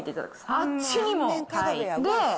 あっちにも。